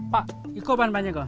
pak ini apa bahan banyak